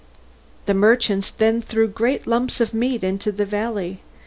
The merchants then threw great lumps of meat into the valley.